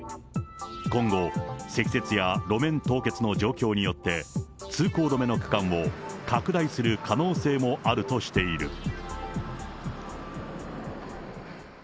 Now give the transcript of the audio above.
今後、積雪や路面凍結の状況によって、通行止めの区間を拡大する可能性もあるとしている。